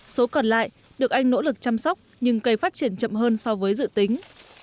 số còn lại được anh nỗ lực chăm sóc nhưng cây phát triển chậm hơn so với dự tính